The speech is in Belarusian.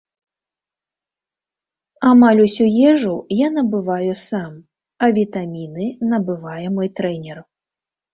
Амаль усю ежу я набываю сам, а вітаміны набывае мой трэнер.